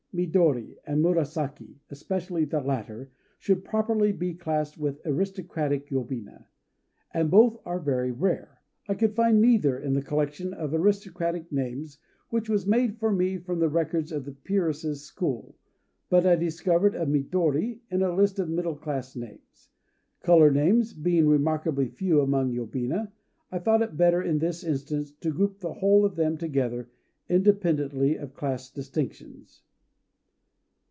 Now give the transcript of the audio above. Midori and Murasaki, especially the latter, should properly be classed with aristocratic yobina; and both are very rare. I could find neither in the collection of aristocratic names which was made for me from the records of the Peeresses' School; but I discovered a "Midori" in a list of middle class names. Color names being remarkably few among yobina, I thought it better in this instance to group the whole of them together, independently of class distinctions.